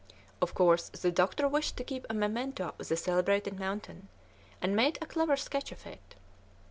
Of course the doctor wished to keep a memento of the celebrated mountain, and made a clever sketch of it.